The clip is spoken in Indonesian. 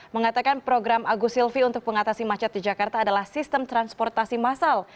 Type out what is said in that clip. mengatakan program agus silvi untuk pengatasi macet di jakarta adalah sistem transportasi massal